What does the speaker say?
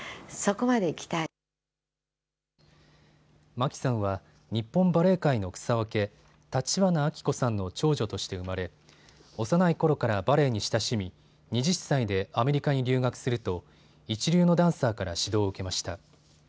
牧さんは日本バレエ界の草分け、橘秋子さんの長女として生まれ幼いころからバレエに親しみ２０歳でアメリカに留学すると一流のダンサーから指導を受けました。